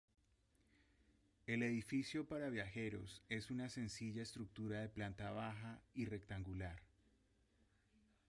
El edificio para viajeros es una sencilla estructura de planta baja y rectangular.